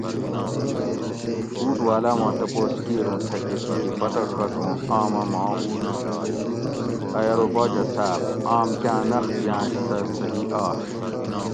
اُوٹ والاۤ ما تپوس کیر اُوں تھکہ کھیکی پتہ ڛت اُوں آمہ ماں اُوٹ بِلات؟ ائی ارو باچہ صاۤب آم کاۤں نۤخ دیاۤنش سہ صحیح آش